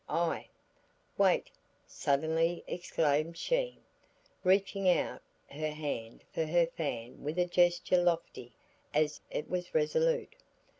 I " "Wait," suddenly exclaimed she, reaching out her hand for her fan with a gesture lofty as it was resolute.